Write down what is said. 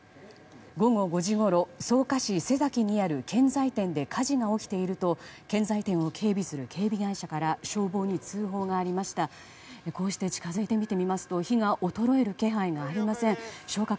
午後５時ごろ、草加市瀬崎にある建材店で火事が起きていると建材店を警備する警備会社から消防に通報がありました。